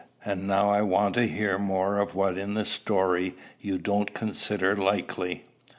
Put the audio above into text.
And now I want to hear more of what in the story you don't consider likely."